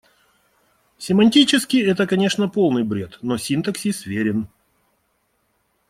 Семантически это, конечно, полный бред, но синтаксис верен.